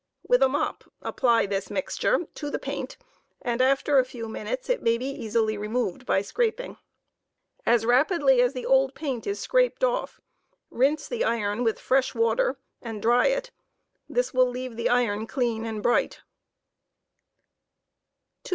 With a mop apply this mixture to the paint, and after a few minutes it may be jisily removed by scraping. * .As rapidly as the old paint is scraped off, rinse the iron with fresh water, and dry This will leave the iron clean and bright, 202.